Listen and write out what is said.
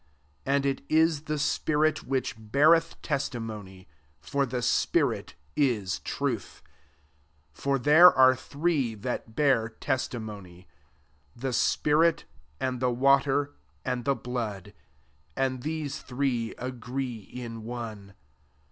And it is the spirit which beareth testimony; for the spirit is truth4 7 For there are three that bear testimony, 8 the spirit, and the water, atid the blood, and these three agree in one.